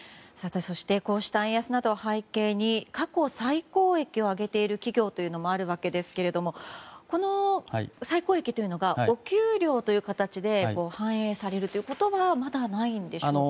そしてこうした円安などを背景に過去最高益を上げている企業もあるわけですが最高益がお給料という形で反映されるということはまだないんでしょうか？